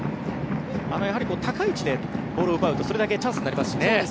高い位置でボールを奪うとそれだけチャンスになりますしね。